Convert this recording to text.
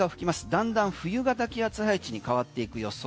だんだん冬型気圧配置に変わっていく予想。